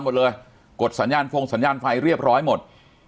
หมดเลยกดสัญญาณฟงสัญญาณไฟเรียบร้อยหมด